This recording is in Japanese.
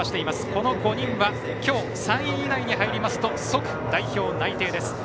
この５人はきょう３位以内に入りますと即代表内定です。